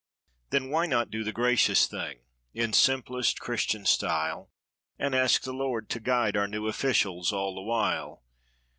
Then why not do the gracious thing, in simplest Christian style. And ask the Lord to guide our new officials all the while.